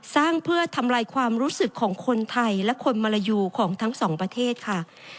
สร้างเพื่อทำลายความรู้สึกของคนไทยและคนมรยูของทั้งสองประเทศค่ะ